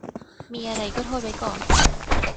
มีอะไรก็โทษไว้ก่อน